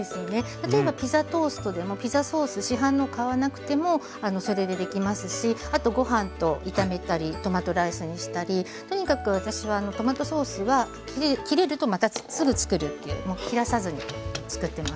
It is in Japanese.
例えばピザトーストでもピザソース市販の買わなくてもそれでできますしあとご飯と炒めたりトマトライスにしたりとにかく私はトマトソースは切れるとまたすぐつくるっていうもう切らさずにつくってます。